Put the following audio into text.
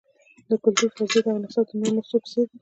د کلتوري فرضیې دغه نسخه د نورو نسخو په څېر ده.